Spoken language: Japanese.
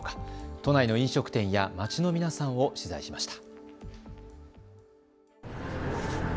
都内の飲食店や街の皆さんを取材しました。